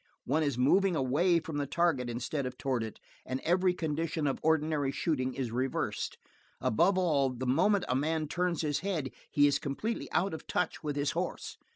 One is moving away from the target instead of toward it, and every condition of ordinary shooting is reversed; above all, the moment a man turns his head he is completely out of touch with his horse.